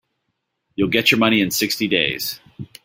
You'll get your money in sixty days.